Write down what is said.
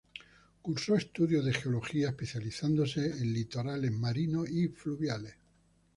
Cursó estudios de Geología, especializándose en litorales marinos y fluviales.